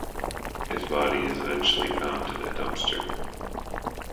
His body is eventually found in a dumpster.